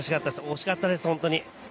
惜しかったです、本当に。